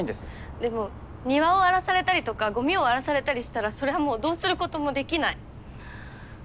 でも庭を荒らされたりとかゴミを荒らされたりしたらそれはもうどうすることもできない。